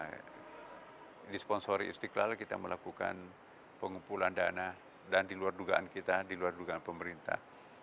nah di sponsori istiqlal kita melakukan pengumpulan dana dan di luar dugaan kita di luar dugaan pemerintah